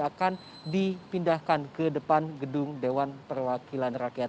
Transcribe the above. akan dipindahkan ke depan gedung dewan perwakilan rakyat